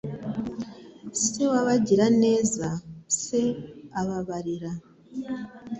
Se w'abagiraneza Se ababarira